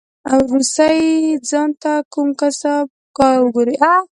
ورسئ ځان ته کوم کسب کار وگورئ.